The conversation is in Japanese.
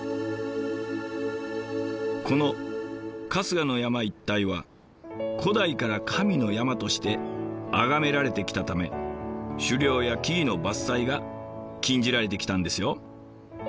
この春日の山一帯は古代から神の山として崇められてきたため狩猟や木々の伐採が禁じられてきたんですよ。